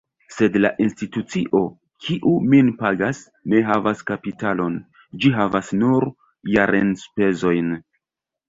Sed la institucio, kiu min pagas, ne havas kapitalon; ĝi havas nur jarenspezojn.